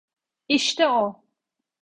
İşte o.